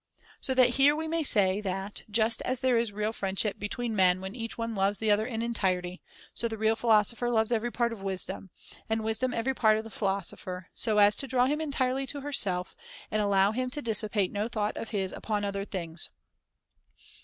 [^120]] So that here we may say that, just as there is real friendship between men when each one loves the other in entirety, so the real philosopher loves every part of wisdom, and wisdom every part of the philosopher, so as to draw him entirely to herself and allow him to dissipate no thought of his upon other things.